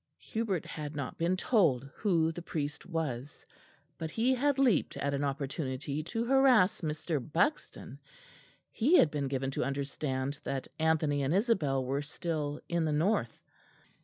Hubert had not been told who the priest was; but he had leapt at an opportunity to harass Mr. Buxton: he had been given to understand that Anthony and Isabel were still in the north.